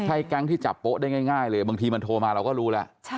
ใช่แก๊งที่จับโป๊ะได้ง่ายเลยบางทีมันโทรมาเราก็รู้แล้ว